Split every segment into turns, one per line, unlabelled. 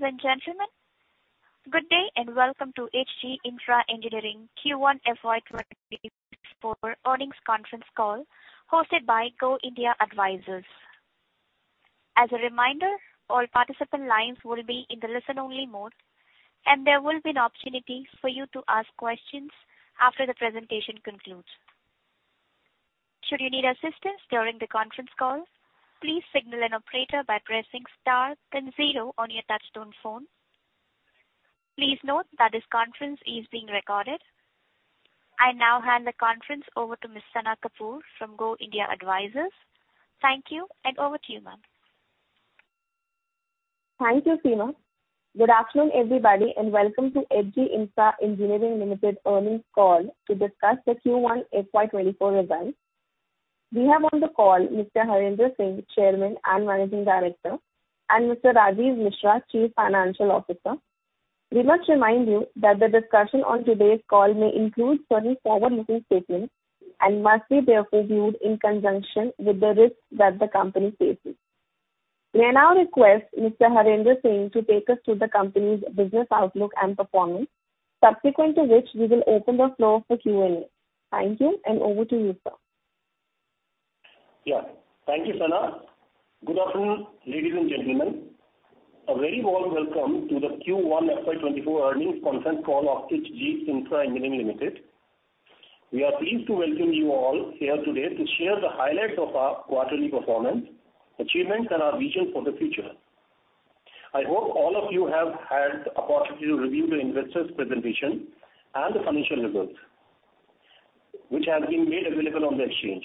Ladies and gentlemen, good day, and welcome to H.G.Infra Engineering Q1 FY 2024 earnings conference call, hosted by Go India Advisors. As a reminder, all participant lines will be in the listen-only mode, and there will be an opportunity for you to ask questions after the presentation concludes. Should you need assistance during the conference call, please signal an operator by pressing star then zero on your touchtone phone. Please note that this conference is being recorded. I now hand the conference over to Miss Sana Kapoor from Go India Advisors. Thank you, and over to you, ma'am.
Thank you, Seema. Good afternoon, everybody, and welcome to HG.Infra Engineering Limited earnings call to discuss the Q1 FY 2024 results. We have on the call Mr. Harendra Singh, Chairman and Managing Director, and Mr. Rajiv Mishra, Chief Financial Officer. We must remind you that the discussion on today's call may include certain forward-looking statements and must be therefore viewed in conjunction with the risks that the company faces. We now request Mr. Harendra Singh to take us through the company's business outlook and performance, subsequent to which we will open the floor for Q&A. Thank you, and over to you, sir.
Yeah. Thank you, Sana. Good afternoon, ladies and gentlemen. A very warm welcome to the Q1 FY 2024 earnings conference call of HG.Infra Engineering Limited. We are pleased to welcome you all here today to share the highlights of our quarterly performance, achievements, and our vision for the future. I hope all of you have had the opportunity to review the investors presentation and the financial results, which have been made available on the exchange.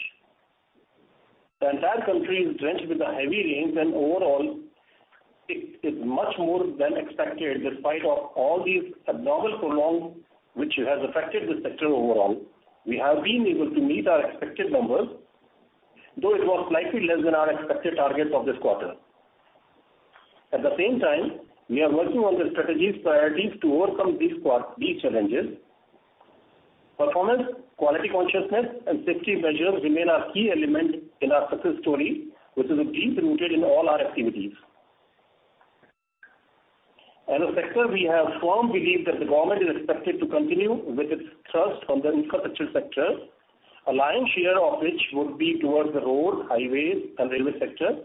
The entire country is drenched with the heavy rains, and overall, it, it's much more than expected. Despite of all these abnormal prolonged, which has affected the sector overall, we have been able to meet our expected numbers, though it was slightly less than our expected targets of this quarter. At the same time, we are working on the strategies priorities to overcome these challenges. Performance, quality consciousness, and safety measures remain our key element in our success story, which is deeply rooted in all our activities. As a sector, we have firm belief that the government is expected to continue with its trust on the infrastructure sector, a lion's share of which would be towards the road, highways, and railway sector.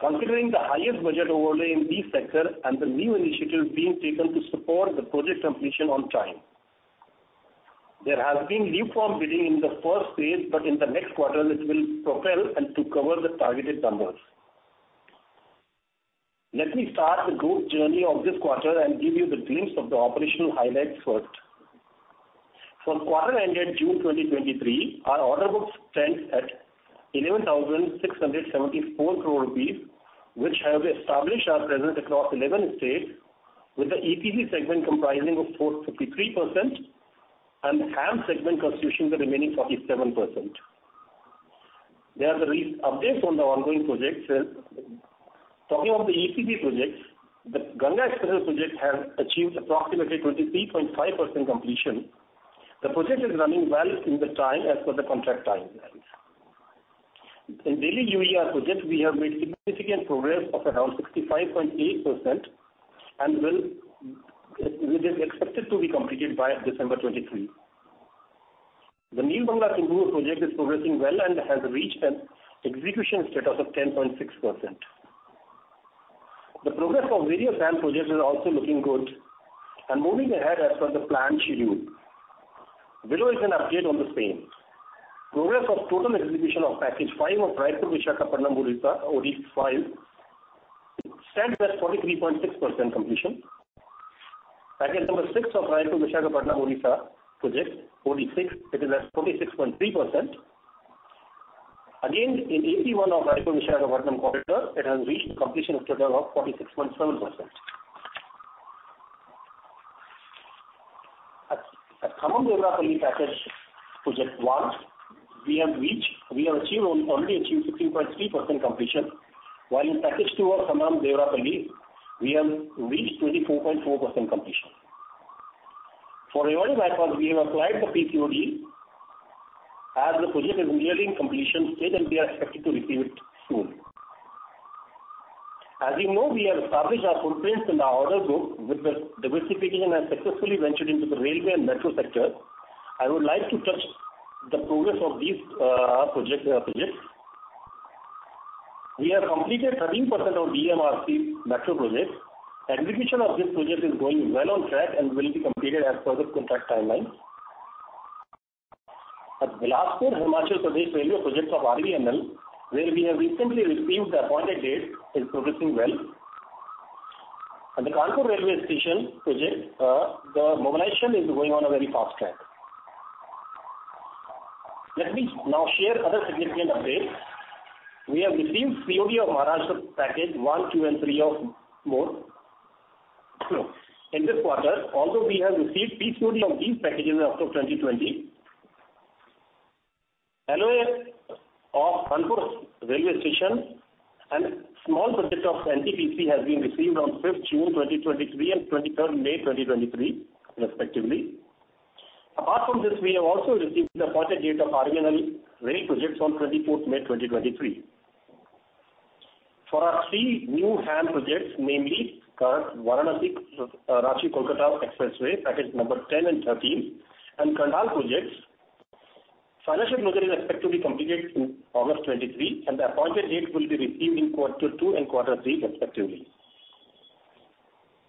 Considering the highest budget overlay in this sector and the new initiatives being taken to support the project completion on time, there has been new form bidding in the first phase, but in the next quarter, it will propel and to cover the targeted numbers. Let me start the growth journey of this quarter and give you the glimpse of the operational highlights first. For quarter ended June 2023, our order book stands at 11,674 crore rupees, which has established our presence across 11 states, with the EPC segment comprising 43% and HAM segment constituting the remaining 47%. There are the updates on the ongoing projects and talking of the EPC projects, the Ganga Expressway project has achieved approximately 23.5% completion. The project is running well in the time as per the contract timelines. In Delhi UER project, we have made significant progress of around 65.8%, and it is expected to be completed by December 2023. The Nayagarh-Khandagiri project is progressing well and has reached an execution status of 10.6%. The progress of various dam projects is also looking good and moving ahead as per the planned schedule. Below is an update on the same. Progress of total execution of package 5 of Raipur-Visakhapatnam Odisha, OD-5, stands at 43.6% completion. Package number 6 of Raipur-Visakhapatnam Odisha project, OD-6, it is at 46.3%. Again, in AP1 of Raipur-Visakhapatnam corridor, it has reached completion status of 46.7%. At Khammam-Devarapalli package, project one, we have reached, we have achieved, we already achieved 15.3% completion, while in package two of Khammam-Devarapalli, we have reached 24.4% completion. For Rayala-Repalle, we have applied the PCOD, as the project is nearly in completion state, and we are expected to receive it soon. As you know, we have established our footprints in the order book with the diversification and successfully ventured into the railway and metro sector. I would like to touch the progress of these projects. We have completed 13% of DMRC metro project. Execution of this project is going well on track and will be completed as per the contract timelines. At Bilaspur Himachal Pradesh railway projects of RVNL, where we have recently received the appointed date, is progressing well. The Kanpur railway station project, the mobilization is going on a very fast track. Let me now share other significant updates. We have received COD of Maharashtra package 1, 2, and 3 of Morshi. In this quarter, although we have received PCOD of these packages as of 2020, LOA of Kanpur railway station and small project of NTPC has been received on 5 June 2023, and 23 May 2023, respectively. Apart from this, we have also received the appointed date of RVNL many projects on 24 May 2023. For our three new HAM projects, namely, Varanasi, Ranchi, Kolkata Expressway, package number 10 and 13, and Karnal projects, financial closure is expected to be completed in August 2023, and the appointed date will be received in quarter two and quarter three, respectively.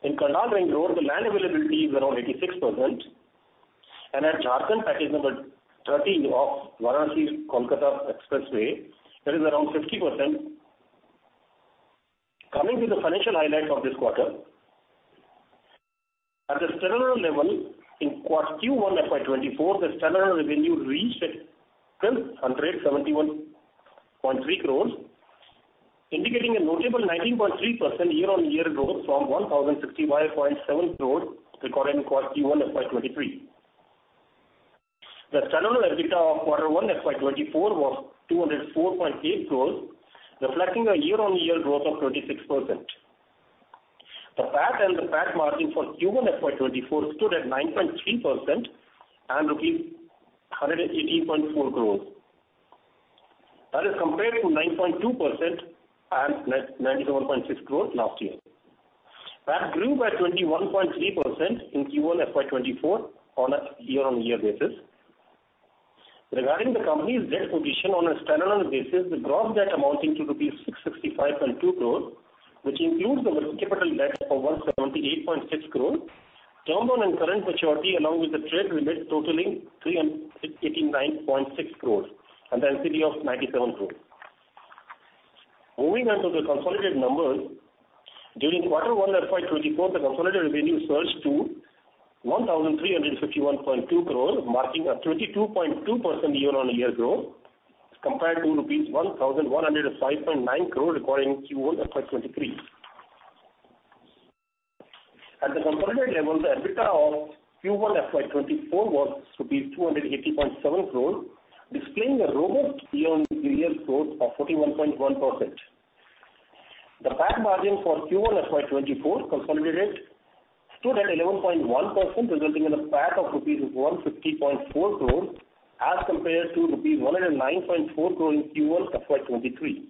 In Karnal Ring Road, the land availability is around 86%, and at Jharkhand, package number 13 of Varanasi, Kolkata Expressway, that is around 50%. Coming to the financial highlights of this quarter. At the standalone level, in quarter Q1 FY 2024, the standalone revenue reached at 171.3 crores, indicating a notable 19.3% year-on-year growth from 1,065.7 crores recorded in quarter Q1 FY 2023. The standalone EBITDA of quarter 1, FY 2024, was 204.8 crores, reflecting a year-on-year growth of 26%. The PAT and the PAT margin for Q1 FY 2024 stood at 9.3% and 118.4 crores. That is compared to 9.2% and net 91.6 crores last year. PAT grew by 21.3% in Q1 FY 2024 on a year-on-year basis. Regarding the company's debt position on a standard basis, the gross debt amounting to 665.2 crore, which includes the working capital debt of 178.6 crore, term loan and current maturity, along with the trade limit totaling 389.6 crore, and the NCD of 97 crore. Moving on to the consolidated numbers. During quarter one FY 2024, the consolidated revenue surged to 1,351.2 crore, marking a 22.2% year-on-year growth, compared to rupees 1,105.9 crore recorded in Q1 FY 2023. At the consolidated level, the EBITDA of Q1 FY 2024 was 280.7 crore, displaying a robust year-on-year growth of 41.1%. The PAT margin for Q1 FY 2024 consolidated, stood at 11.1%, resulting in a PAT of rupees 150.4 crore as compared to rupees 109.4 crore in Q1 FY 2023.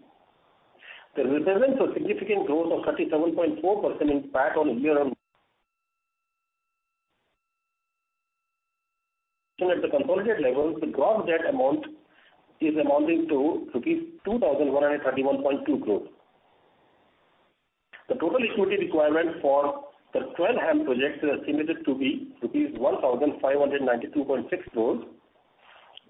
The results are significant growth of 37.4% in PAT on a year-on-year. At the consolidated level, the gross debt amount is amounting to rupees 2,131.2 crore. The total equity requirement for the 12 HAM projects is estimated to be rupees 1,592.6 crore,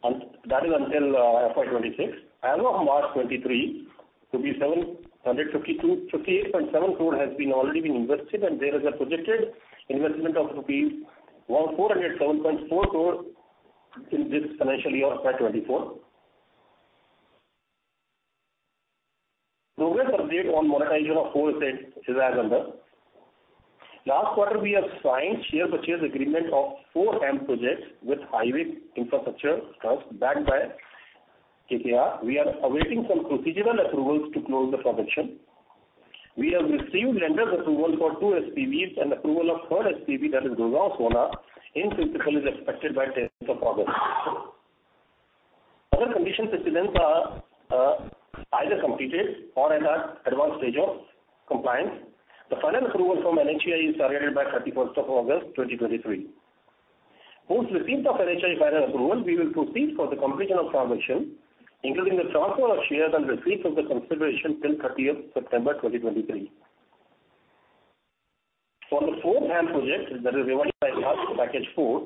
and that is until FY 2026. As of March 2023, 752.58 crore has already been invested, and there is a projected investment of rupees 1,407.4 crore in this financial year of FY 2024. Progress update on monetization of four assets is as under. Last quarter, we have signed share purchase agreement of four HAM projects with Highway Infrastructure Trust, backed by KKR. We are awaiting some procedural approvals to close the transaction. We have received lender's approval for two SPVs, and approval of third SPV, that is Gurgaon-Sohna, in principle, is expected by 10th of August. Other condition precedents are either completed or are at advanced stage of compliance. The final approval from NHAI is targeted by 31st of August, 2023. Post receipt of NHAI final approval, we will proceed for the completion of transaction, including the transfer of shares and receipt of the consideration till 30th of September 2023. For the 4 HAM projects, that is Rewari Bypass, Package 4,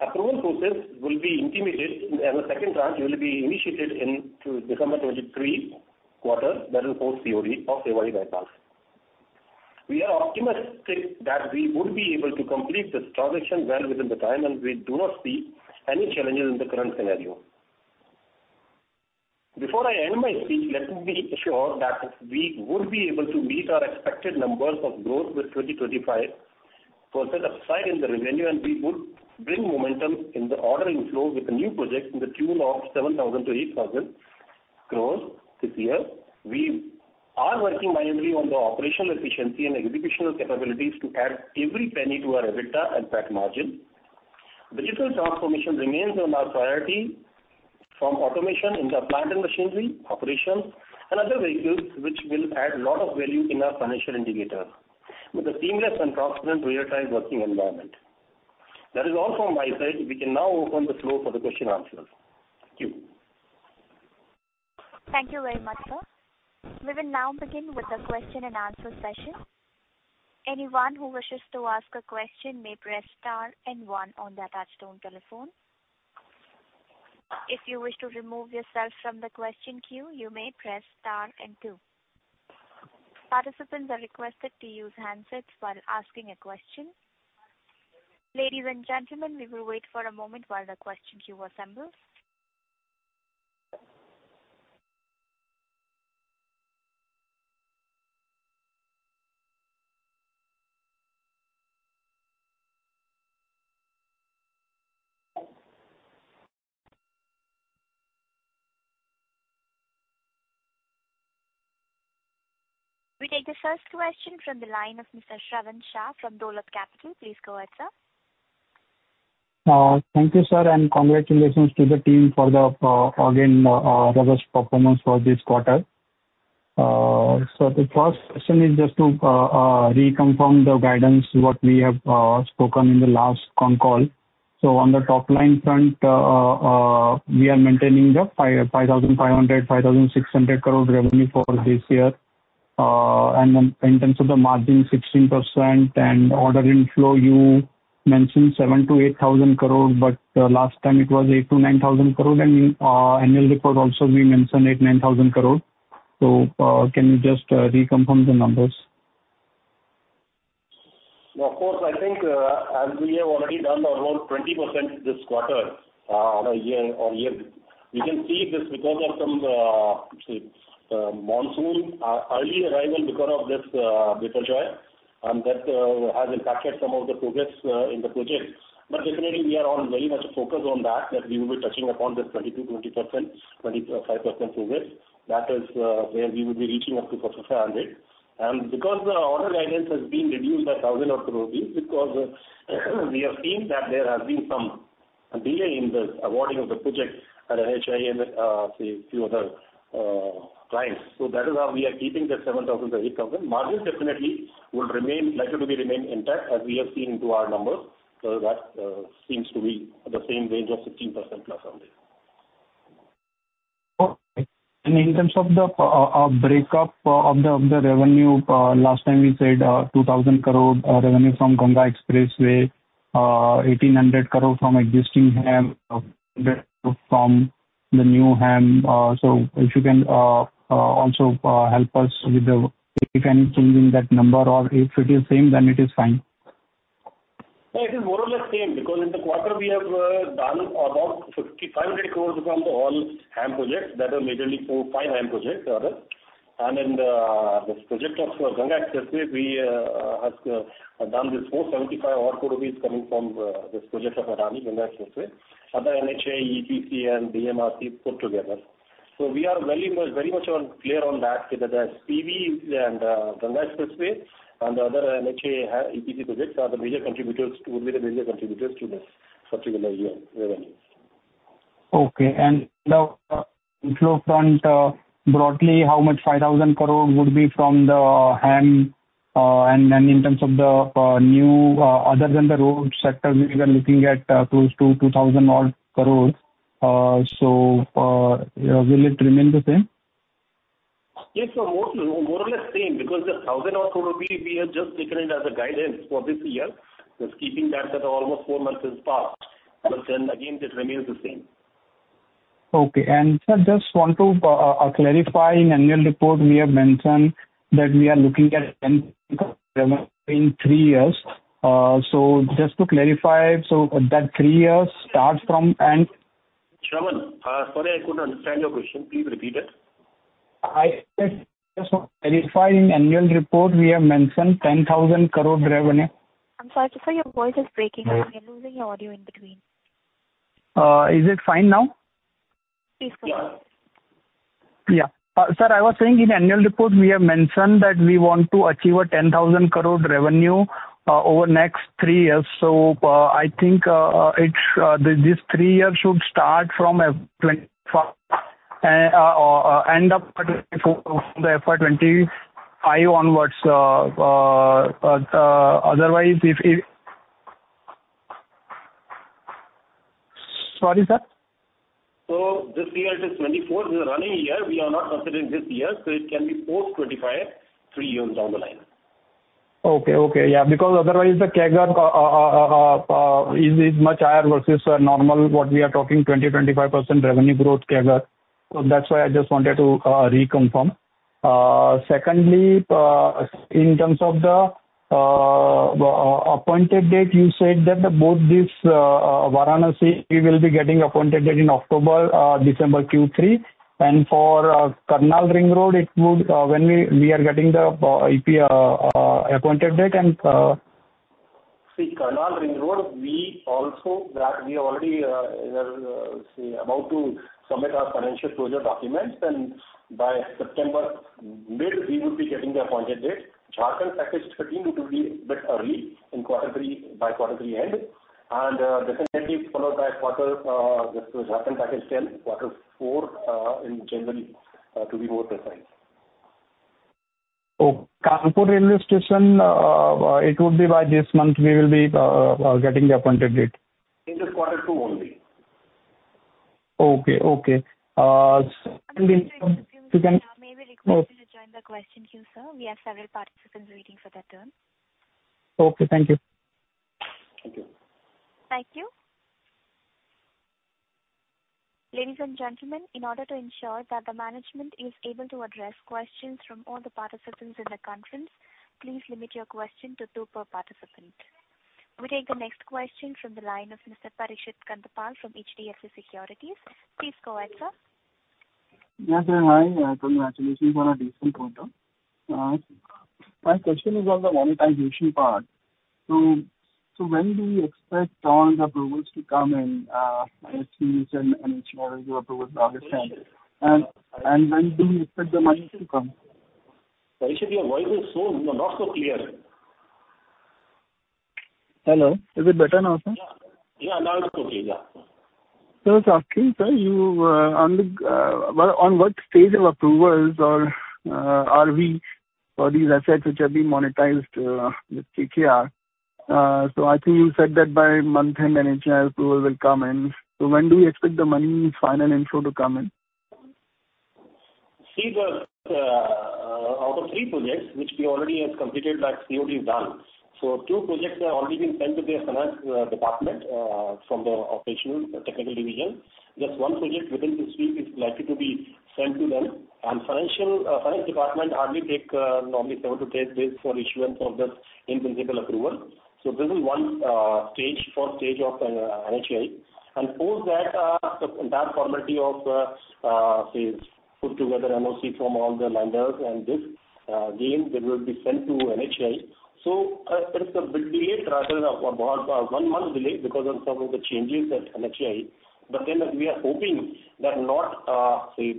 approval process will be intimated, and the second tranche will be initiated in December 2023 quarter, that is post PCOD of Rewari Bypass. We are optimistic that we would be able to complete this transaction well within the time, and we do not see any challenges in the current scenario. Before I end my speech, let me assure that we would be able to meet our expected numbers of growth with 25% upside in the revenue, and we would bring momentum in the ordering flow with a new project in the tune of 7,000-8,000 crore this year. We are working manually on the operational efficiency and execution capabilities to add every penny to our EBITDA and PAT margin. Digital transformation remains on our priority from automation in the plant and machinery, operations, and other vehicles, which will add a lot of value in our financial indicators with a seamless and transparent real-time working environment. That is all from my side. We can now open the floor for the question and answers. Thank you.
Thank you very much, sir. We will now begin with the question and answer session. Anyone who wishes to ask a question may press star and one on the touchtone telephone. If you wish to remove yourself from the question queue, you may press star and two. Participants are requested to use handsets while asking a question. Ladies and gentlemen, we will wait for a moment while the question queue assembles.... We take the first question from the line of Mr. Shravan Shah from Dolat Capital. Please go ahead, sir.
Thank you, sir, and congratulations to the team for the, again, robust performance for this quarter. So the first question is just to, reconfirm the guidance, what we have, spoken in the last con call. So on the top line front, we are maintaining the 5,500 crore-5,600 crore revenue for this year. And then in terms of the margin, 16% and order inflow, you mentioned 7,000 crore-8,000 crore, but the last time it was 8,000 crore-9,000 crore, and in, annual report also we mentioned 8,000 crore-9,000 crore. So, can you just, reconfirm the numbers?
Of course, I think as we have already done around 20% this quarter on a year-on-year, you can see this because of some monsoon early arrival because of this Biparjoy, and that has impacted some of the progress in the project. But definitely, we are very much focused on that that we will be touching upon this 20%-25% progress. That is where we will be reaching up to 4,500. And because the order guidance has been reduced by 1,000 crore rupees because we have seen that there have been some delay in the awarding of the project at NHAI and say few other clients. So that is how we are keeping the 7,000 crore-8,000 crore. Margins definitely will remain, likely to be remain intact as we have seen to our numbers. So that, seems to be the same range of 16% plus only.
Okay. And in terms of the breakup of the revenue, last time you said, 2,000 crore revenue from Ganga Expressway, 1,800 crore from existing HAM, from the new HAM. So if you can also help us with the, if any change in that number, or if it is same, then it is fine.
Yeah, it is more or less same, because in the quarter we have done about 5,500 crore from all HAM projects that are majorly four, five HAM projects. In this project of Ganga Expressway, we have done this 475 odd crore is coming from this project of Adani Road Transport Limited, other NHAI EPC and DMRC put together. We are very much, very much clear on that, that the SPV and Ganga Expressway and the other NHAI EPC projects are the major contributors, will be the major contributors to this particular year revenues.
Okay. And on the inflow front, broadly, how much five thousand crore would be from the HAM? And in terms of the new, other than the road sector, we were looking at close to 2,000 crore. So, will it remain the same?
Yes, so more or less same, because the 1,000-odd crore rupees, we have just taken it as a guidance for this year. Just keeping that, almost 4 months is passed, but then again, it remains the same.
Okay. Sir, just want to clarify, in annual report, we have mentioned that we are looking at 10,000 revenue in three years. Just to clarify, so that three years starts from end?
Shravan, sorry, I couldn't understand your question. Please repeat it.
I just want to clarify, in annual report, we have mentioned 10,000 crore revenue.
I'm sorry, sir, your voice is breaking up. We are losing your audio in between.
Is it fine now?
Please go ahead.
Yeah. Sir, I was saying in annual report, we have mentioned that we want to achieve 10,000 crore revenue over next three years. I think these three years should start from or end up from the FY 2025 onwards. Otherwise, if it... Sorry, sir?
So this year it is 2024, the running year. We are not considering this year, so it can be post 2025, three years down the line.
Okay, okay. Yeah, because otherwise the CAGR is much higher versus normal, what we are talking 20, 25% revenue growth CAGR. So that's why I just wanted to reconfirm. Secondly, in terms of the appointed date, you said that both this Varanasi, we will be getting appointed date in October, December Q3. And for Karnal Ring Road, it would, when we are getting the appointed date and-
See, Karnal Ring Road, we also that we already say about to submit our financial closure documents, and by mid-September, we would be getting the appointed date. Jharkhand package 13, it will be a bit early in quarter three, by quarter three end, and definitely followed by quarter, this Jharkhand package 10, quarter four, in January, to be more precise.
Oh, Kanpur railway station, it would be by this month we will be getting the Appointed Date.
In this quarter two only.
Okay, okay. So-
May we request you to join the question queue, sir? We have several participants waiting for their turn.
Okay, thank you.
Thank you.
Thank you. Ladies and gentlemen, in order to ensure that the management is able to address questions from all the participants in the conference, please limit your question to two per participant. We take the next question from the line of Mr. Parikshit Kandpal from HDFC Securities. Please go ahead, sir.
Yes, sir. Hi, congratulations on a decent quarter. My question is on the monetization part. So, when do you expect all the approvals to come in, and see and, and ensure your approvals understand? And, when do you expect the money to come?
Sir, your voice is so, not so clear.
Hello, is it better now, sir?
Yeah. Yeah, now it's okay, yeah.
So I was asking, sir, you, on the, well, on what stage of approval is our, are we for these assets which are being monetized, with KKR? So I think you said that by month end, NHAI approval will come in. So when do we expect the money's final info to come in?
See, out of three projects which we already have completed, like COT is done. Two projects have already been sent to their finance department from the operational technical division. Just one project within this week is likely to be sent to them. Finance department normally takes seven to ten days for issuance of this in-principle approval. This is one stage, four stage of NHAI. Post that, the entire formality of, say, put together NOC from all the lenders, and this, again, it will be sent to NHAI. It's a bit delayed, rather about one month delay because of some of the changes at NHAI. But then we are hoping that not, say,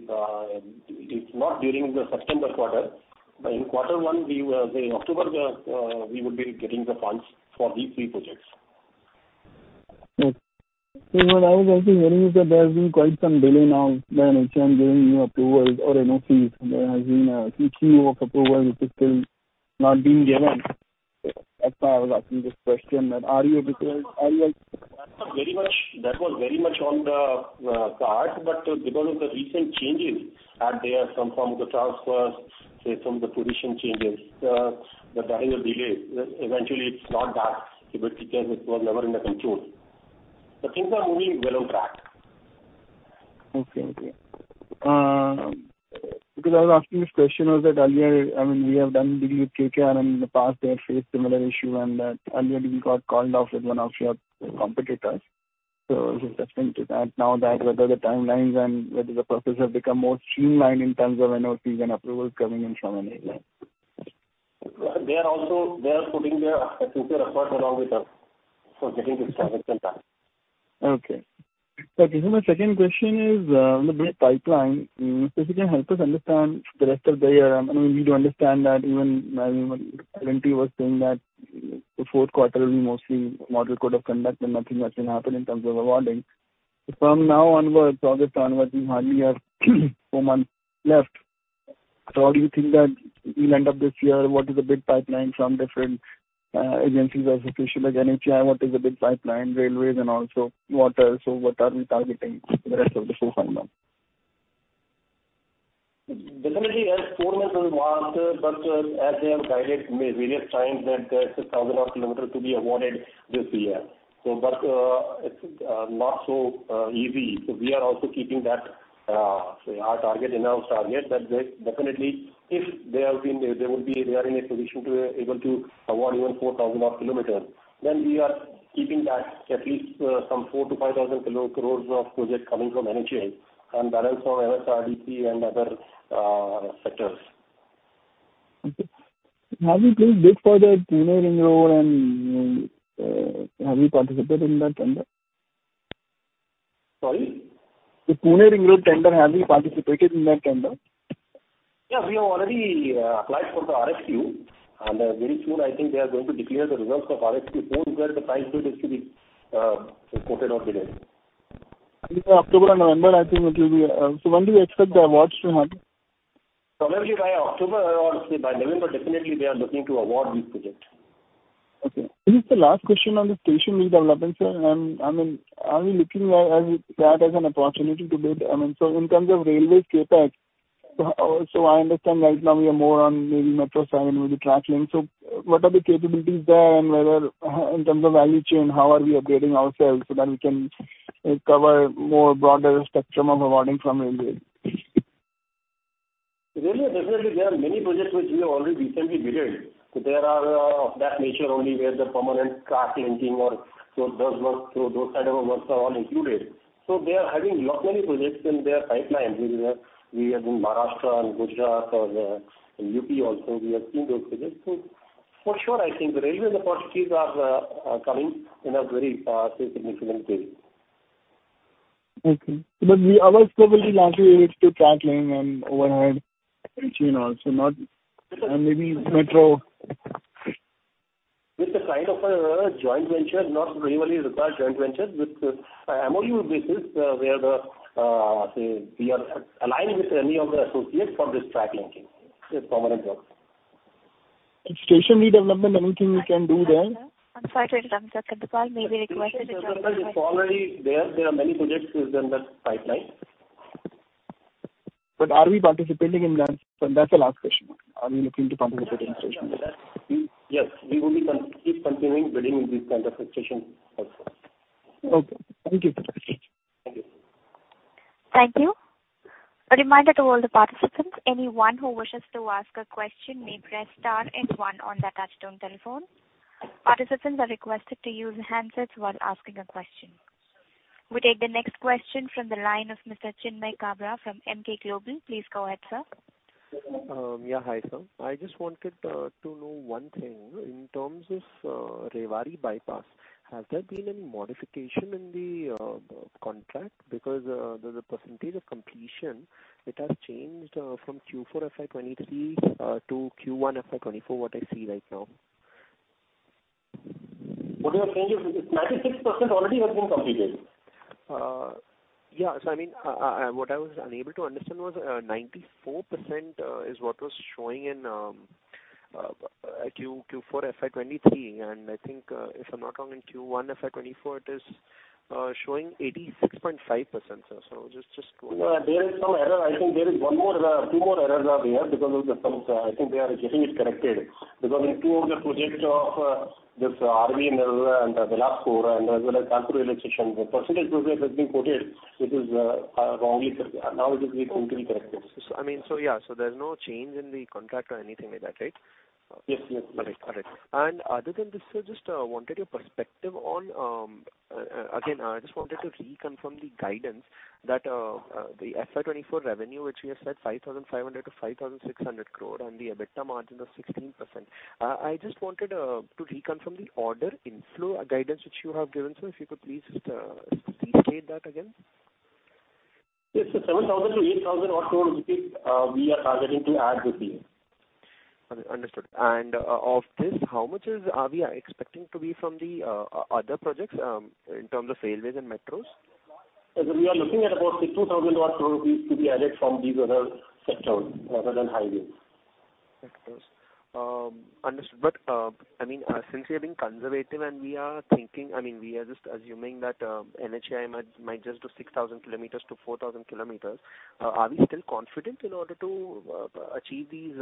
if not during the September quarter, but in quarter one, we will say October, we would be getting the funds for these three projects.
Okay. So what I was also hearing is that there has been quite some delay now than giving new approvals or NOC. There has been a queue of approval which is still not being given. That's why I was asking this question, that are you because, are you-
That was very much, that was very much on the card, but because of the recent changes out there, some from the transfers, say, from the position changes, that there is a delay. Eventually, it's not that, but because it was never in the control. The things are moving well on track.
Okay. Because I was asking this question was that earlier, I mean, we have done deal with KKR, and in the past, they have faced similar issue, and earlier we got called off with one of your competitors. So just think to that now that whether the timelines and whether the process have become more streamlined in terms of NOC and approvals coming in from NHAI.
They are also putting their future efforts along with us for getting this transaction done.
Okay. So my second question is, on the big pipeline, if you can help us understand the rest of the year. I mean, we do understand that even when was saying that the fourth quarter will be mostly Model Code of Conduct, and nothing much can happen in terms of awarding. So from now onwards, August onwards, we hardly have four months left. So how do you think that we'll end up this year? What is the big pipeline from different, agencies or official like NHAI? What is the big pipeline, railways and also what are, so what are we targeting for the rest of the four months?
Definitely, yes, four months is one, but as we have guided various times that there's 1,000 kilometers to be awarded this year. So, but it's not so easy. So we are also keeping that, say, our target, announced target, that they definitely if they have been, they will be, they are in a position to able to award even 4,000 kilometers. Then we are keeping that at least some 4,000-5,000 crore of project coming from NHAI and balance from SARDP and other sectors.
Okay. Have you placed bid for the Pune Ring Road and have you participated in that tender?
Sorry?
The Pune Ring Road tender, have you participated in that tender?
Yeah, we have already applied for the RFQ, and very soon I think they are going to declare the results of RFQ before where the price bid is to be quoted or bided.
October and November, I think it will be. So when do we expect the awards to come?
Probably by October or by November, definitely, we are looking to award this project.
Okay. This is the last question on the station redevelopment, sir. And I mean, are we looking at, at that as an opportunity to build? I mean, so in terms of railways CapEx, so I understand right now we are more on maybe metro side with the track link. So what are the capabilities there and whether in terms of value chain, how are we upgrading ourselves so that we can cover more broader spectrum of awarding from railways?
Railways, definitely, there are many projects which we have already recently bidded. So there are of that nature only, where the permanent track linking or so those work, so those type of works are all included. So they are having lot, many projects in their pipeline. We have in Maharashtra and Gujarat or in UP also, we have seen those projects. So for sure, I think the railway, the opportunities are coming in a very say, significant way.
Okay. But our scope will be largely related to track link and overhead, you know, so not, and maybe metro.
With the kind of joint venture, not really require joint ventures, with MOU basis, where the, say we are aligned with any of the associates for this track linking this permanent job.
Station redevelopment, anything we can do there?
I'm sorry to interrupt, may be required to-
It's already there. There are many projects in that pipeline.
But are we participating in that? So that's the last question. Are we looking to participate in station?
Yes, we will be keep continuing bidding in this kind of station also.
Okay, thank you.
Thank you.
Thank you. A reminder to all the participants, anyone who wishes to ask a question may press star and one on the touchtone telephone. Participants are requested to use handsets while asking a question. We take the next question from the line of Mr. Chinmay Gandre from Emkay Global. Please go ahead, sir.
Yeah, hi, sir. I just wanted to know one thing. In terms of Rewari Bypass, has there been any modification in the contract? Because the percentage of completion, it has changed from Q4 FY 2023 to Q1 FY 2024, what I see right now.
What you are saying is, 96% already has been completed.
Yeah. So I mean, what I was unable to understand was, 94% is what was showing in Q4 FY 2023, and I think, if I'm not wrong, in Q1 FY 2024, it is showing 86.5%, sir. So just, just-
No, there is no error. I think there is one more error, two more errors are there because of the points. I think they are getting it corrected. Because in two of the projects of this RVNL and Bilaspur and as well as Kanpur railway station, the percentage project has been quoted, which is wrongly. Now it is being completely corrected.
I mean, yeah, there's no change in the contract or anything like that, right?
Yes, yes.
All right. All right. And other than this, sir, just, wanted your perspective on, again, I just wanted to reconfirm the guidance that, the FY 2024 revenue, which we have said 5,500 crore-5,600 crore, and the EBITDA margin of 16%. I just wanted, to reconfirm the order inflow guidance which you have given, sir. If you could please just, restate that again.
Yes, so 7,000-8,000 odd crore rupees, we are targeting to add with this.
Understood. And, of this, how much are we expecting to be from the, other projects, in terms of railways and metros?
We are looking at about 6,000 rupees odd crore to be added from these other sectors, other than highways.
Understood. But I mean, since we are being conservative and we are thinking, I mean, we are just assuming that NHAI might just do 6,000 kilometers-4,000 kilometers, are we still confident in order to achieve these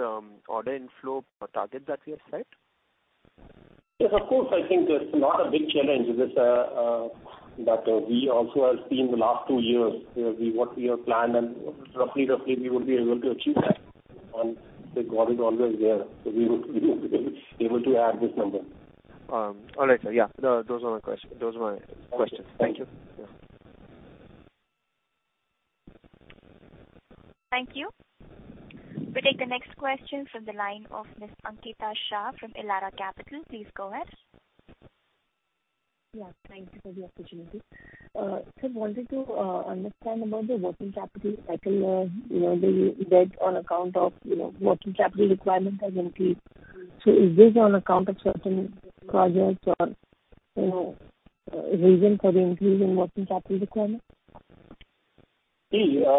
order inflow targets that we have set?
Yes, of course, I think there's not a big challenge with this, that we also have seen the last two years, what we have planned, and roughly, roughly, we would be able to achieve that. The growth is always there, so we would be able to add this number.
All right, sir. Yeah, those are my questions. Those are my questions.
Thank you.
Thank you.
Thank you. We take the next question from the line of Ms. Ankita Shah from Elara Capital. Please go ahead.
Yeah, thank you for the opportunity. So wanted to understand about the working capital cycle, you know, the debt on account of, you know, working capital requirement has increased. So is this on account of certain projects or, you know, reason for the increase in working capital requirement?
See, if you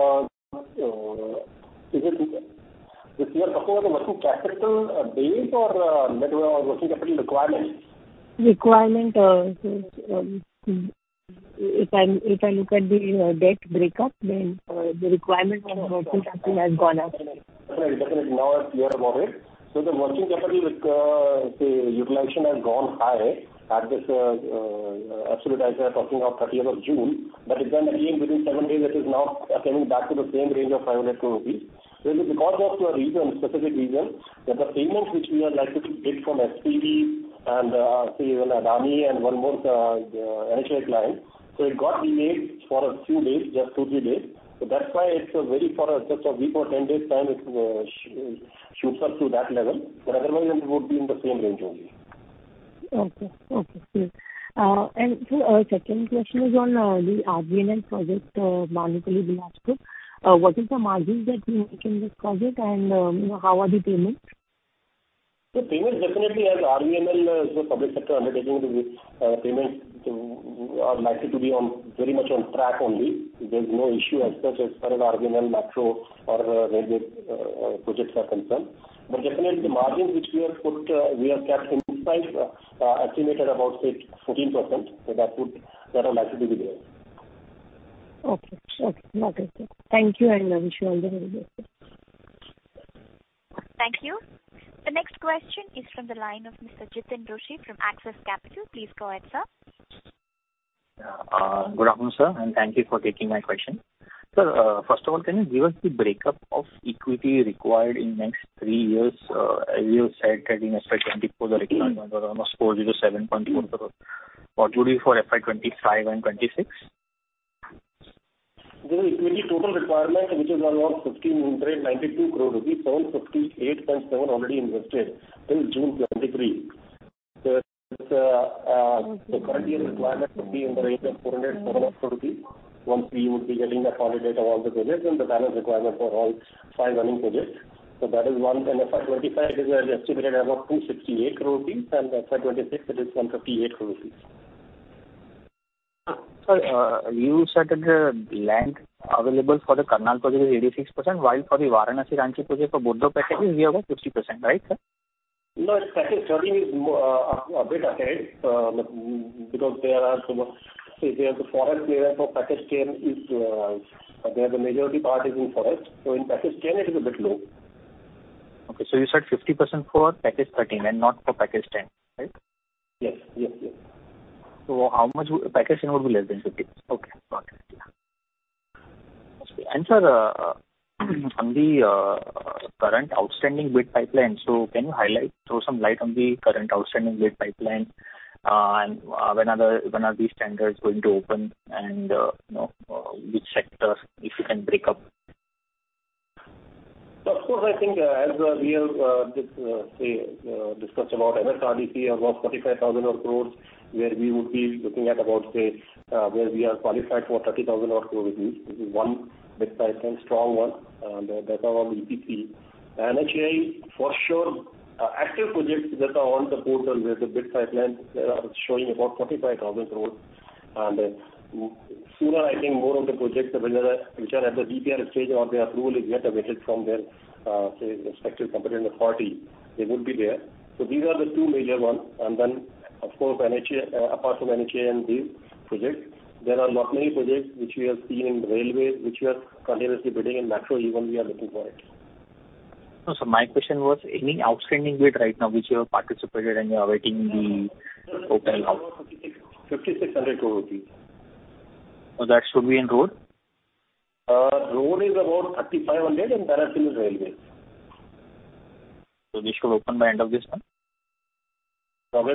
are talking about the working capital base or net working capital requirements?
Requirement, so, if I, if I look at the debt breakup, then the requirement on working capital has gone up.
Definitely, definitely. Now, you are aware. So the working capital, say, utilization has gone high at this, as soon as we are talking of 30th of June. But again, again, within seven days, it is now coming back to the same range of 500 crore rupees. So it is because of a reason, specific reason, that the payments which we are likely to get from SPV and, say, Adani, and one more, NHAI client. So it got delayed for a few days, just 2, 3 days. So that's why it's very for a just a week or 10 days time, it shoots up to that level. But otherwise, it would be in the same range only.
Okay. Okay, great. And so, second question is on the RVNL project, Bhanupali Bilaspur. What is the margin that you make in this project, and how are the payments?
The payments definitely, as RVNL is a public sector undertaking, the payments are likely to be on, very much on track only. There's no issue as such as far as RVNL, metro or railway projects are concerned. But definitely, the margins which we have put, we have kept in price, estimated about, say, 14%. So that would, that are likely to be there.
Okay. Okay, got it. Thank you, and I wish you all the very best.
Thank you. The next question is from the line of Mr. Jiten Rushi from Axis Capital. Please go ahead, sir.
Good afternoon, sir, and thank you for taking my question. Sir, first of all, can you give us the breakup of equity required in next three years? You have said that in FY 2024, the requirement was around INR 407.4 crore. What would be for FY 2025 and 2026?
The equity total requirement, which is around 15 into 92 crore, 758.7 crore already invested in June 2023.
Okay.
The current year requirement would be in the range of 400 crore, once we would be getting the final date of all the projects and the balance requirement for all five running projects. So that is one, and FY 2025, it is estimated about INR 268 crore, and FY 2026, it is 158 crore rupees.
Sir, you said that the land available for the Karnal project is 86%, while for the Varanasi Ranchi project for both the package is about 50%, right, sir?
No, Package 13 is a bit ahead because there are some, say, there's a foreign player for Package 10 is there the majority part is in forest. So in Package 10, it is a bit low.
Okay, so you said 50% for package 13 and not for package 10, right?
Yes. Yes, yes.
So how much would package 10 be less than 50? Okay, got it. Yeah... And sir, on the current outstanding bid pipeline, so can you highlight, throw some light on the current outstanding bid pipeline, and when are these tenders going to open and, you know, which sectors, if you can break up?
Of course, I think, as we have just discussed about MSRDC, about 45,000 crore, where we would be looking at about where we are qualified for 30,000 odd crore rupees, this is one bid pipeline, strong one, and that are on EPC. NHAI, for sure, active projects that are on the portal, with the bid pipeline showing about 45,000 crore. And sooner, I think more of the projects which are at the DPR stage or their approval is yet awaited from their respective competent authority, they would be there. So these are the two major ones. And then, of course, NHAI, apart from NHAI and these projects, there are not many projects which we have seen in railways, which we are continuously bidding in metro, even we are looking for it.
No, sir, my question was any outstanding bid right now, which you have participated, and you are awaiting the opening up?
INR 5,600 crore.
Oh, that should be in road?
Road is about 3,500, and rest is railway.
This should open by end of this month?
Probably by this month or August end.
Sir, can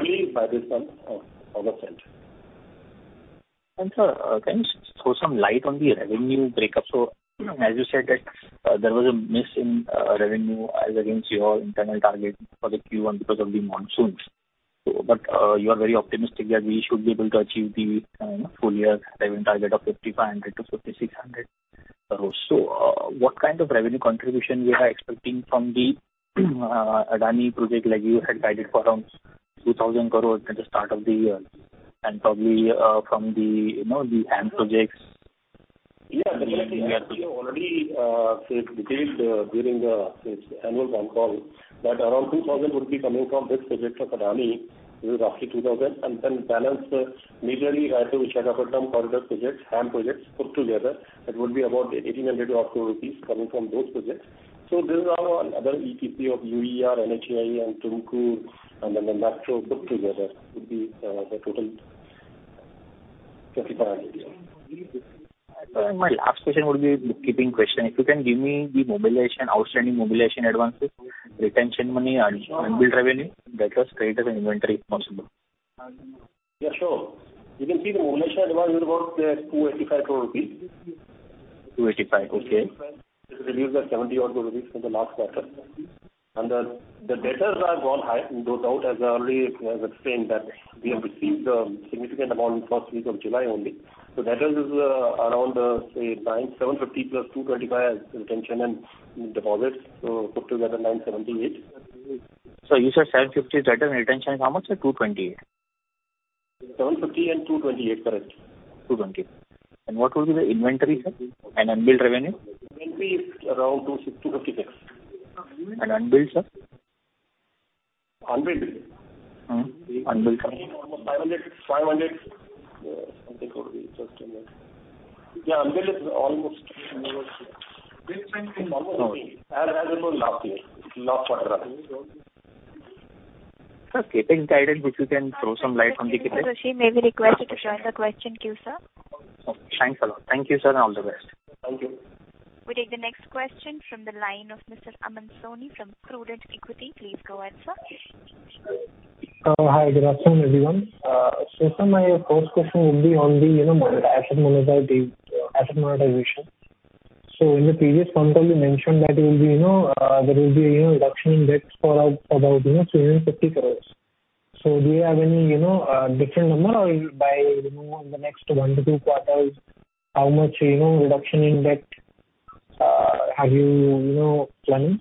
you throw some light on the revenue break up? So, as you said, that, there was a miss in, revenue as against your internal target for the Q1 because of the monsoons. So, but, you are very optimistic that we should be able to achieve the, full year revenue target of 5,500 crore-5,600 crore. So, what kind of revenue contribution we are expecting from the, Adani project, like you had guided for around 2,000 crore at the start of the year, and probably, from the, you know, the HAM projects?
Yeah, already, during the annual call, that around 2,000 crore would be coming from this project of Adani; this is roughly 2,000 crore. And then balance, majorly, either which are upper term corridor projects, HAM projects, put together, that would be about 1,800-odd crore rupees coming from those projects. So this is our other EPC of UER, NHAI and Tumku, and then the metro put together would be the total 35 crore.
My last question would be bookkeeping question. If you can give me the mobilization, outstanding mobilization advances, retention money and unbilled revenue, that was created as an inventory, if possible?
Yeah, sure. You can see the mobilization advance is about 285 crore rupees.
285, okay.
It reduced by 70 odd rupees from the last quarter. The debtors have gone high, those out, as I already explained, that we have received a significant amount in first week of July only. So debtors is around, say, 975 plus 225 as retention and deposits, so put together 978.
So you said 750 is debtor and retention is how much, sir? 228.
750 and 228, correct.
2:20. What will be the inventory, sir, and unbilled revenue?
Inventory is around 2, 6, 256.
Unbilled, sir?
Unbilled?
Mm-hmm. Unbilled.
500, 500, something would be just in there. Yeah, unbilled is almost as of last year, last quarter.
Sir, CapEx guidance, if you can throw some light on the CapEx?
May we request you to join the question queue, sir?
Thanks a lot. Thank you, sir, and all the best.
Thank you.
We take the next question from the line of Mr. Aman Soni from Prudent Equity. Please go ahead, sir.
Hi, good afternoon, everyone. So sir, my first question would be on the, you know, asset monetization. So in the previous conference call, you mentioned that it will be, you know, there will be, you know, reduction in debts for about, you know, 350 crore. So do you have any, you know, different number or by, you know, in the next one to two quarters, how much, you know, reduction in debt are you, you know, planning?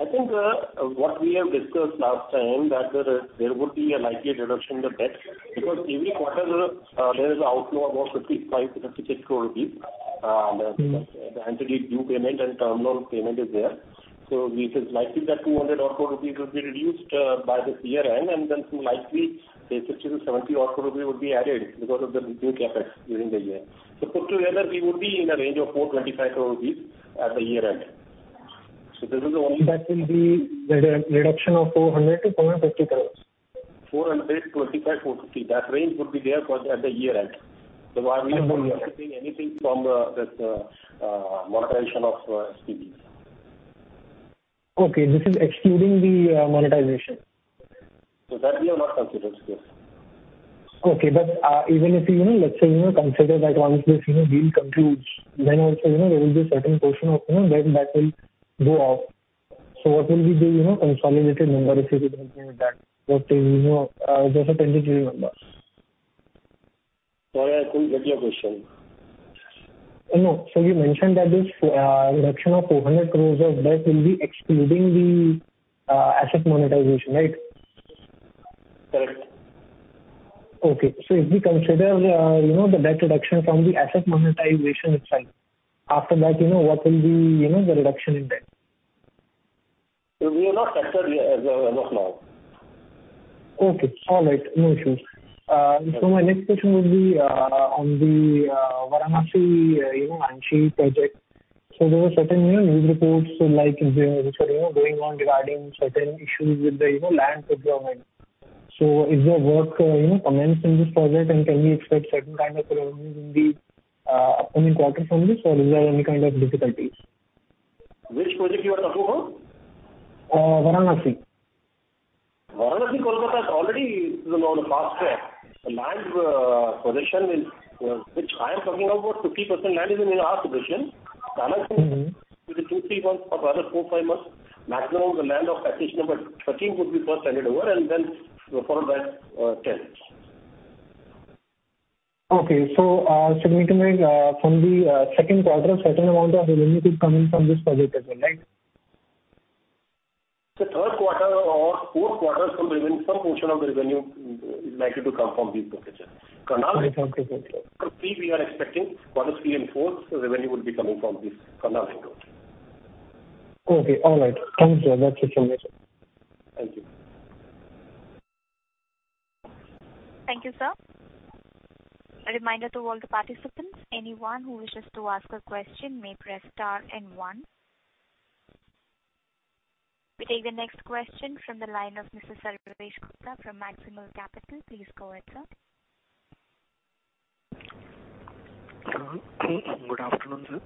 I think, what we have discussed last time, that there would be a likely reduction in the debt, because every quarter, there is an outflow of about INR 55-56 crore. The annuity due payment and terminal payment is there. So it is likely that INR 200-odd crore will be reduced, by this year end, and then likely, say, 60-70-odd crore rupees will be added because of the repeat effect during the year. So put together, we would be in the range of INR 425 crore at the year end. So this is the only-
That will be the reduction of 400-450 crore.
425-450. That range would be there for at the year end. So I'm not expecting anything from this monetization of SPVs.
Okay, this is excluding the monetization?
So that we have not considered, yes.
Okay, but, even if you, you know, let's say, you know, consider that once this, you know, deal concludes, then also, you know, there will be a certain portion of, you know, then that will go off. So what will be the, you know, consolidated number, if you could calculate that? What is, you know, just a tentative number.
Sorry, I couldn't get your question.
No. So you mentioned that this, reduction of 400 crore of debt will be excluding the, asset monetization, right?
Correct.
Okay. So if we consider, you know, the debt reduction from the asset monetization side, after that, you know, what will be, you know, the reduction in debt?
We have not factored yet, as of now.
Okay, all right. No issues. So my next question would be on the Varanasi-Ranchi-Kolkata project. So there were certain news reports like going on regarding certain issues with the land procurement. So is your work commenced in this project, and can we expect certain kind of revenue in the upcoming quarter from this, or is there any kind of difficulties?
Which project you are talking about?
Uh, Varanasi.
Varanasi corridor has already, you know, on the fast track. The land possession in which I am talking about 50% land is in our possession.
Mm-hmm.
With the 2-3 months or rather 4-5 months, maximum the land of package number 13 would be first handed over and then followed by 10.
Okay. So, significantly, from the second quarter, certain amount of revenue could come in from this project as well, right?
The third quarter or fourth quarter, some revenue, some portion of the revenue is likely to come from these projects.
I see.
We are expecting quarters 3 and 4, the revenue will be coming from this Karnal Ring Road.
Okay, all right. Thank you very much.
Thank you.
Thank you, sir. A reminder to all the participants, anyone who wishes to ask a question may press star and one. We take the next question from the line of Mr. Sarvesh Gupta from Maximal Capital. Please go ahead, sir.
Hello. Good afternoon, sir.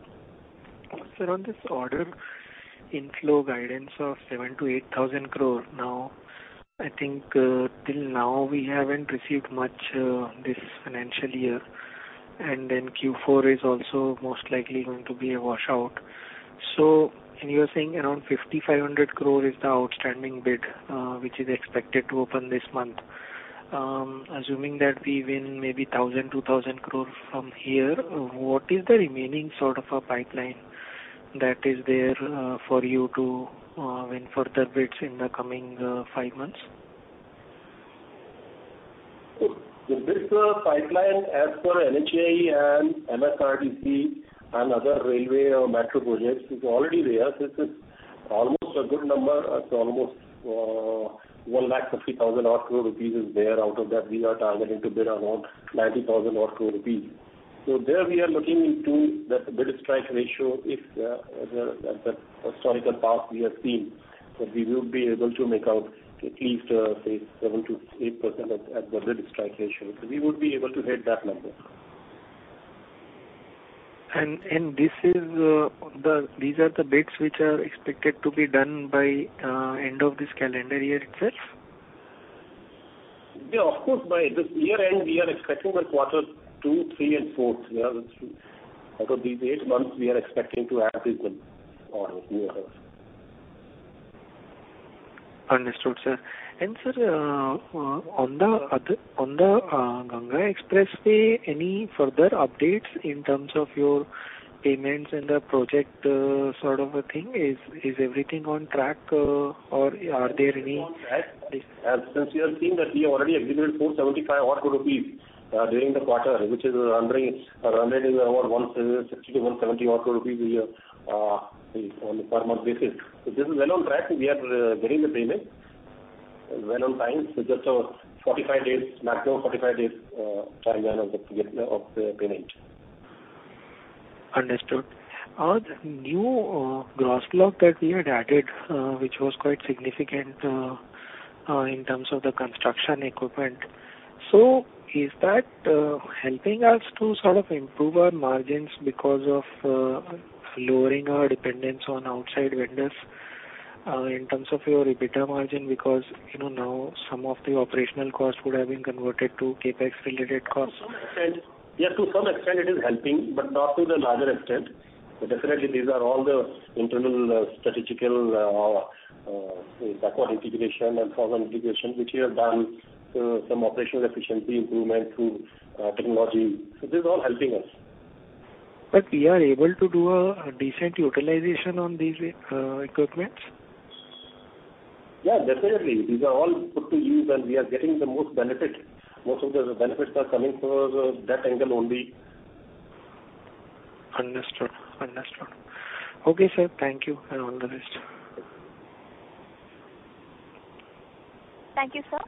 Sir, on this order, inflow guidance of 7,000 crore-8,000 crore now, I think, till now we haven't received much, this financial year, and then Q4 is also most likely going to be a washout. So and you are saying around 5,500 crore is the outstanding bid, which is expected to open this month. Assuming that we win maybe 1,000 crore-2,000 crore from here, what is the remaining sort of a pipeline that is there, for you to win further bids in the coming five months?
So this, pipeline as per NHAI and MSRDC and other railway or metro projects is already there. This is almost a good number. It's almost, 150,000 crore rupees odd is there. Out of that, we are targeting to bid around 90,000 crore rupees odd. So there we are looking into that the bid strike ratio, if, the, the historical path we have seen, that we will be able to make out at least, say 7%-8% of, at the bid strike ratio. We would be able to hit that number.
These are the bids which are expected to be done by end of this calendar year itself?
Yeah, of course, by the year-end, we are expecting the quarter two, three and four. We are, out of these eight months, we are expecting to have this one or year.
Understood, sir. And sir, on the Ganga Expressway, any further updates in terms of your payments and the project, sort of a thing? Is everything on track, or are there any-
On track. As, since you have seen that we already executed 475 crore rupees during the quarter, which is running about 160-170 crore rupees on a per month basis. So this is well on track, we are getting the payment well on time. So just 45 days, maximum 45 days timeline of the payment.
Understood. The new gross block that we had added, which was quite significant, in terms of the construction equipment. So is that helping us to sort of improve our margins because of lowering our dependence on outside vendors, in terms of your EBITDA margin, because, you know, now some of the operational costs would have been converted to CapEx related costs?
To some extent, yeah, to some extent it is helping, but not to the larger extent. Definitely, these are all the internal strategic backward integration and forward integration, which we have done, some operational efficiency improvement through technology. So this is all helping us.
We are able to do a decent utilization on these equipment?
Yeah, definitely. These are all put to use, and we are getting the most benefit. Most of the benefits are coming from that angle only.
Understood. Understood. Okay, sir. Thank you, and all the best.
Thank you, sir.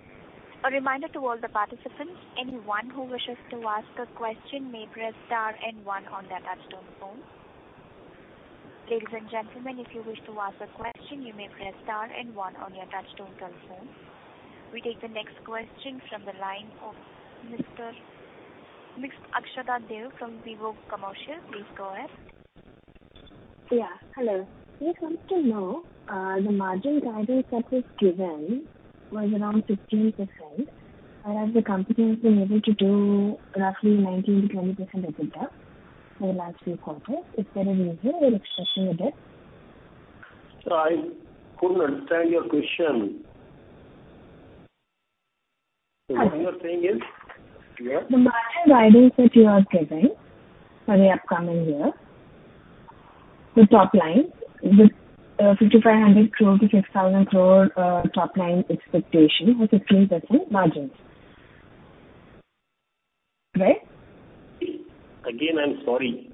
A reminder to all the participants, anyone who wishes to ask a question may press star and one on their touchtone phone. Ladies and gentlemen, if you wish to ask a question, you may press star and one on your touchtone telephone. We take the next question from the line of Ms. Akshada Deo from Vivro Financial Services. Please go ahead.
Yeah, hello. We want to know, the margin guidance that was given was around 15%, whereas the company has been able to do roughly 19%-20% EBITDA for the last few quarters. Is there a reason we're expecting a bit?
I couldn't understand your question.
Hello.
So what you're saying is? Yeah.
The margin guidance that you are giving for the upcoming year, the top line, with 5,500 crore-6,000 crore, top line expectation with 15% margins. Right?
Again, I'm sorry.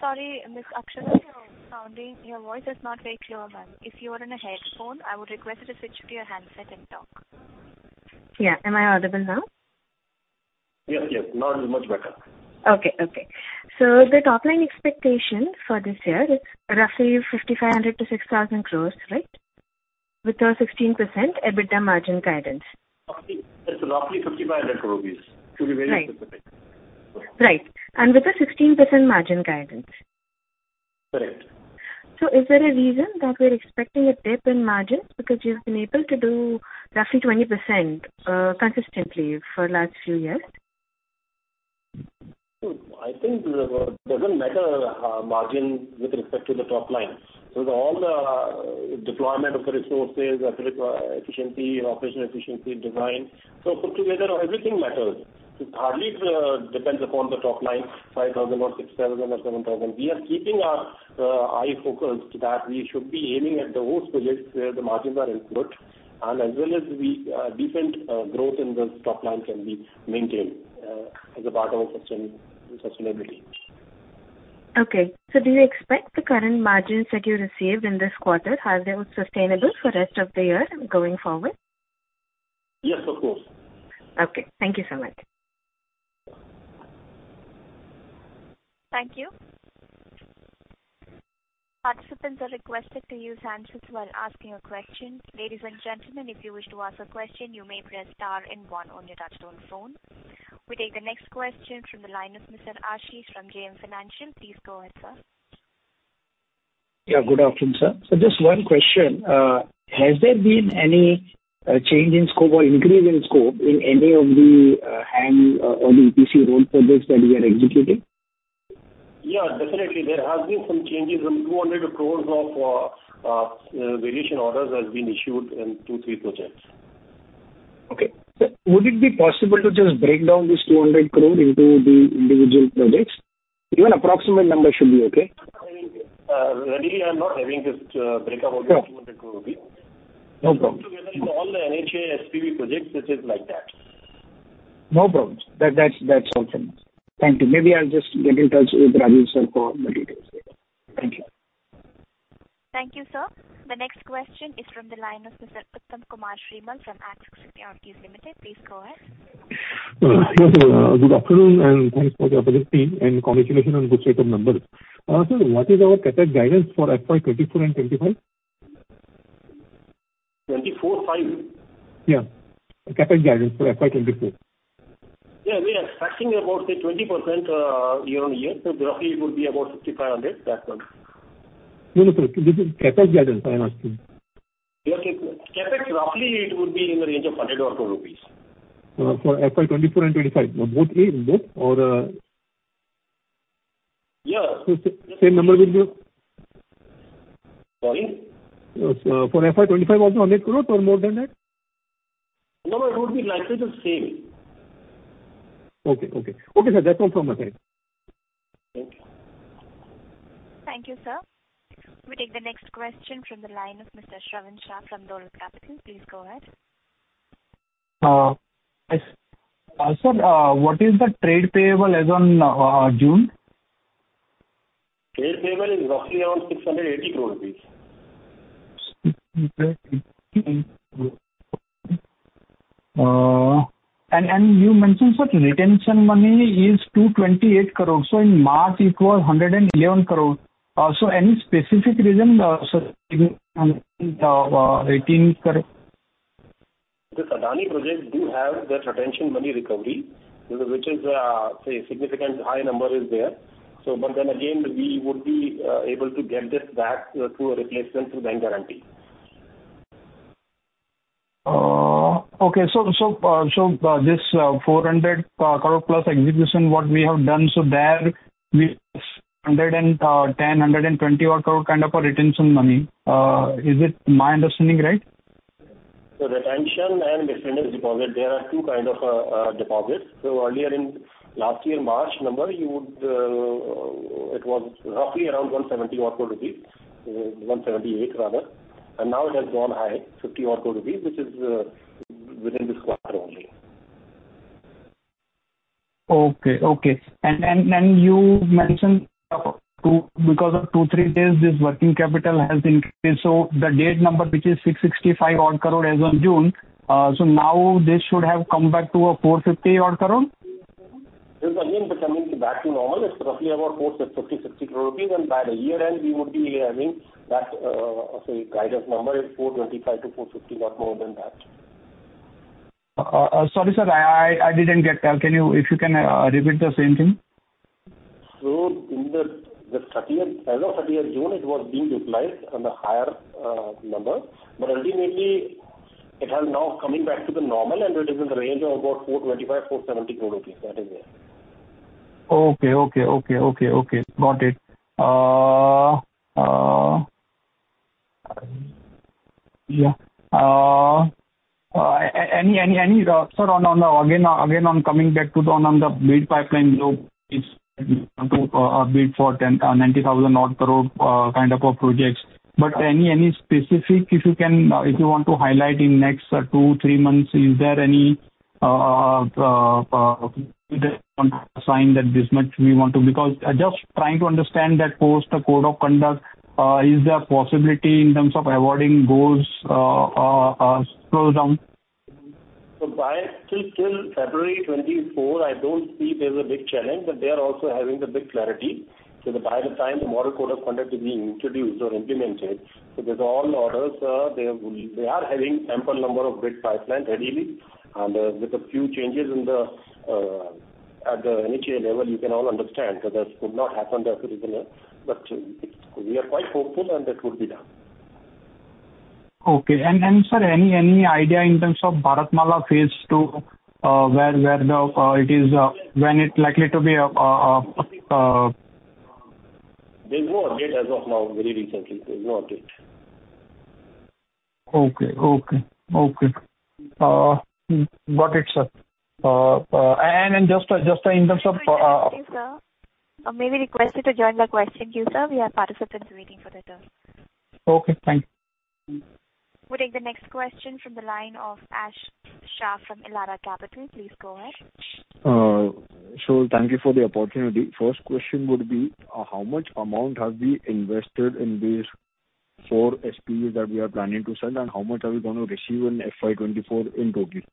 Sorry, Ms. Akshada, you're sounding, your voice is not very clear, ma'am. If you are in a headphone, I would request you to switch to your handset and talk.
Yeah. Am I audible now?...
Yes, yes, not much better.
Okay, okay. So the top line expectation for this year is roughly 5,500 crore-6,000 crore, right? With a 16% EBITDA margin guidance.
It's roughly 5,500. Should be very specific.
Right. And with a 16% margin guidance.
Correct.
Is there a reason that we're expecting a dip in margins? Because you've been able to do roughly 20% consistently for last few years.
I think it doesn't matter, margin with respect to the top line. So all the deployment of the resources, efficiency, operational efficiency, design, so put together, everything matters. It hardly depends upon the top line, 5,000 or 6,000 or 7,000. We are keeping our eye focused that we should be aiming at those projects where the margins are in good and as well as we, decent growth in the top line can be maintained, as a part of our sustainability.
Okay. So do you expect the current margins that you received in this quarter, are they sustainable for the rest of the year going forward?
Yes, of course.
Okay. Thank you so much.
Thank you. Participants are requested to use answers while asking a question. Ladies and gentlemen, if you wish to ask a question, you may press star and one on your touch-tone phone. We take the next question from the line of Mr. Ashish from JM Financial. Please go ahead, sir.
Yeah, good afternoon, sir. So just one question, has there been any change in scope or increase in scope in any of the HAM or the EPC road projects that we are executing?
Yeah, definitely. There has been some changes from 200 crore of variation orders has been issued in 2, 3 projects.
Okay. So would it be possible to just break down this 200 crore into the individual projects? Even approximate number should be okay.
Ready, I'm not having this breakdown of the 200 crore rupees.
No problem.
Together in all the NHAI SPV projects, this is like that.
No problem. That's all. Thank you. Maybe I'll just get in touch with Rahul, sir, for more details. Thank you.
Thank you, sir. The next question is from the line of Mr. Uttam Kumar Shrimal from Axis Securities Limited. Please go ahead.
Yes, good afternoon, and thanks for the opportunity and congratulations on good set of numbers. So what is our CapEx guidance for FY 2024 and 2025?
Twenty-four, five?
Yeah. CapEx guidance for FY 2024.
Yeah, we are expecting about, say, 20%, year-on-year, so roughly it would be about 5,500, that one.
No, no, sir. This is CapEx guidance, I am asking.
Yes, CapEx, roughly it would be in the range of 100 or 200 rupees.
for FY 2024 and 2025, both or
Yeah.
Same number will be?
Sorry.
For FY 2025, also INR 100 crore or more than that?
No, it would be likely the same.
Okay, okay. Okay, sir, that's all from my side.
Thank you.
Thank you, sir. We take the next question from the line of Mr. Shravan Shah from Dolat Capital. Please go ahead.
Yes. Sir, what is the trade payable as on June?
Trade payable is roughly around INR 680 crore.
And you mentioned, sir, retention money is 228 crores. So in March, it was 111 crores. So any specific reason, sir, retaining current?
This Adani project do have that retention money recovery, which is, say, significant high number is there. So but then again, we would be able to get this back through a replacement, through bank guarantee.
Okay. So, this 400 crore plus execution, what we have done, so there we 110, 120 or crore kind of a retention money. Is it my understanding right?
So retention and performance deposit, there are two kind of deposits. So earlier in last year, March number, it was roughly around 170 odd crore, 178 rather, and now it has gone high, 50 odd crore, which is within this quarter only.
Okay, okay. And you mentioned, because of 2-3 days, this working capital has increased, so the date number, which is 665 odd crore as on June, so now this should have come back to 450 odd crore?
This again, coming back to normal, it's roughly about 450-460 crore rupees, and by the year end, we would be having that, say, guidance number is 425-450, not more than that.
Sorry, sir, I didn't get that. Can you... If you can, repeat the same thing?
So, as of thirtieth June, it was being deployed on the higher number, but ultimately, it has now coming back to the normal, and it is in the range of about 425 crore-470 crore rupees, that is it.
Okay, got it. Yeah, any, sir, on coming back to the bid pipeline, so it's to bid for 10-90,000 crore kind of projects. But any specific, if you can, if you want to highlight in next 2-3 months, is there any sign that this much we want to... Because I'm just trying to understand that post the code of conduct? Is there a possibility in terms of avoiding those slowdown?
So by till February 2024, I don't see there's a big challenge, but they are also having the big clarity. So that by the time the Model Code of Conduct is being introduced or implemented, so these all orders are, they will they are having ample number of big pipeline readily, and with a few changes in the at the NHAI level, you can all understand that this could not happen that easily. But we are quite hopeful, and that would be done.
Okay. And sir, any idea in terms of Bharatmala Phase II, where it is, when it's likely to be?
There's no update as of now, very recently. There's no update.
Okay. Got it, sir. Just in terms of—
Sir, may we request you to join the question queue, sir? We have participants waiting for their turn.
Okay, thank you.
We'll take the next question from the line of Ash Shah from Elara Capital. Please go ahead.
Thank you for the opportunity. First question would be, how much amount have we invested in these four SPVs that we are planning to sell, and how much are we going to receive in FY 2024 in rupee?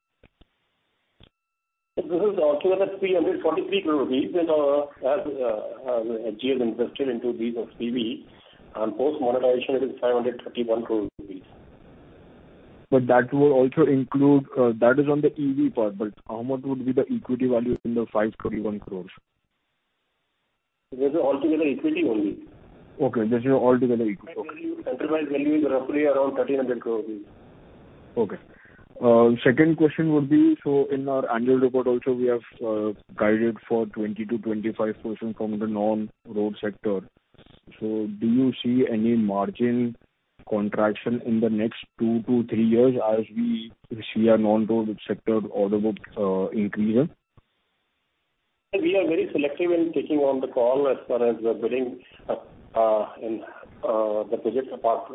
This is 243 crore rupees is as HGIEL invested into these SPV, and post-monetization, it is 531 crore rupees.
But that will also include, that is on the EV part, but how much would be the equity value in the 531 crore?
This is all together equity only.
Okay, this is all together equity. Okay.
Enterprise value is roughly around INR 1,300 crore.
Okay. Second question would be, so in our annual report also, we have guided for 20%-25% from the non-road sector. So do you see any margin contraction in the next 2-3 years as we see our non-road sector order book increase?
We are very selective in taking on the call as far as the bidding in the projects apart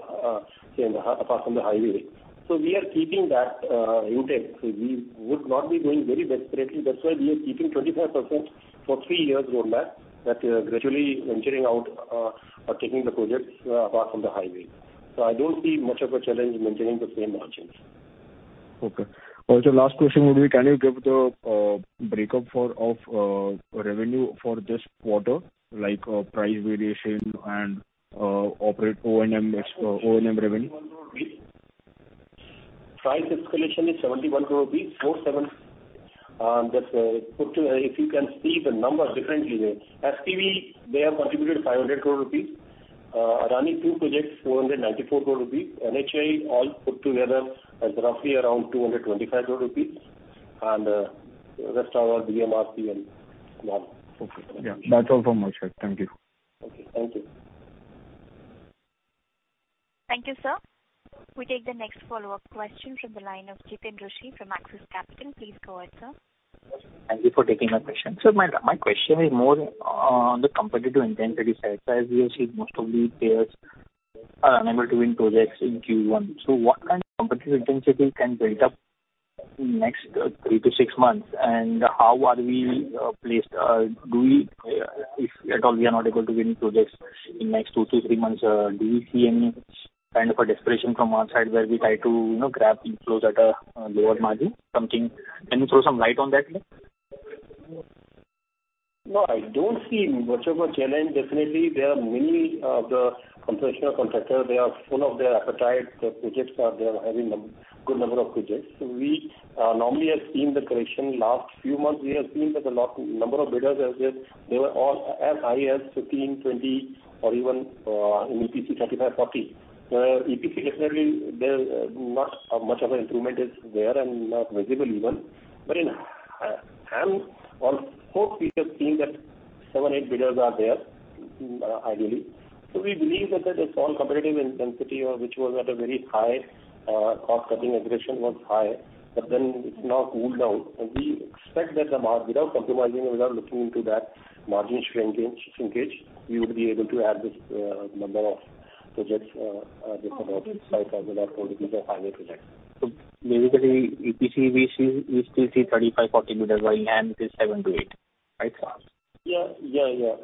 from the highway. So we are keeping that intake. We would not be going very desperately. That's why we are keeping 25% for three years roadmap, that we are gradually venturing out or taking the projects apart from the highway. So I don't see much of a challenge in maintaining the same margins.
Okay. Also, last question would be, can you give the breakup of revenue for this quarter, like price variation and operate O&M, O&M revenue?
Price escalation is 71.47 crore rupees. Just put, if you can see the number differently there. SPV, they have contributed 500 crore rupees, running two projects, 494 crore rupees. NHAI, all put together, is roughly around 225 crore rupees. Rest is our DMRC and non.
Okay. Yeah, that's all from my side. Thank you.
Okay. Thank you.
Thank you, sir. We take the next follow-up question from the line of Jiten Rushi from Axis Capital. Please go ahead, sir.
Thank you for taking my question. So my, my question is more on the competitive intensity side. So as we have seen, most of the players are unable to win projects in Q1. So what kind of competitive intensity can build up in next 3 to 6 months? And how are we placed, do we, if at all we are not able to win projects in the next 2 to 3 months, do you see any kind of a desperation from our side where we try to, you know, grab inflows at a lower margin? Something. Can you throw some light on that?
No, I don't see much of a challenge. Definitely, there are many, the professional contractors, they are full of their appetite. The projects are, they are having good number of projects. So we normally have seen the correction. Last few months, we have seen that the lot, number of bidders are there. They were all as high as 15, 20, or even in EPC, 35, 40. EPC definitely, there's not much of an improvement is there and not visible even. But in HAM, on 4 pieces, seeing that 7, 8 bidders are there, ideally. So we believe that, that is all competitive intensity or which was at a very high, cost-cutting aggression was high, but then it's now cooled down. We expect that the margin without compromising and without looking into that margin shrinkage, we would be able to add this number of projects, just about 5,000 or 4,000 highway projects.
So basically, EPC, we see, we still see 35, 40 bidders, while HAM is 7-8, right, sir?
Yeah. Yeah, yeah.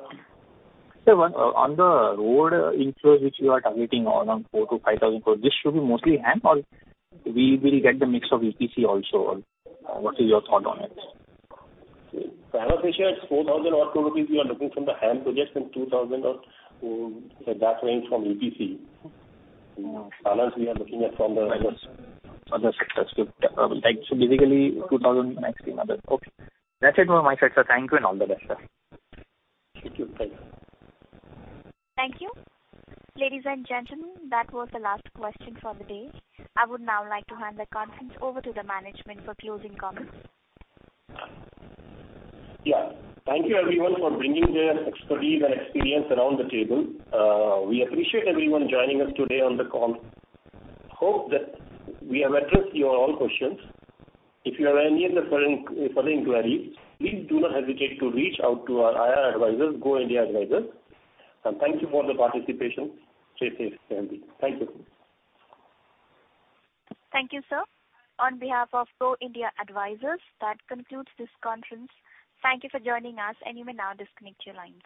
On the road inflows, which you are targeting around 4,000 crore-5,000 crore, this should be mostly HAM, or we will get the mix of EPC also, or what is your thought on it?
I have issued 4,000-odd crore rupees. We are looking from the HAM projects and 2,000 odd, that range from EPC. Balance we are looking at from the other-
Other sectors. So, like, so basically 2000, maximum another... Okay. That's it from my side, sir. Thank you and all the best, sir.
Thank you. Thank you.
Thank you. Ladies and gentlemen, that was the last question for the day. I would now like to hand the conference over to the management for closing comments.
Yeah. Thank you everyone for bringing their expertise and experience around the table. We appreciate everyone joining us today on the call. Hope that we have addressed your all questions. If you have any other further inquiries, please do not hesitate to reach out to our IR advisors, Go India Advisors. Thank you for the participation. Stay safe and healthy. Thank you.
Thank you, sir. On behalf of Go India Advisors, that concludes this conference. Thank you for joining us, and you may now disconnect your lines.